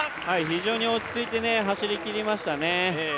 非常に落ち着いて走りきりましたね。